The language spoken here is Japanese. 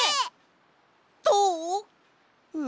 どう？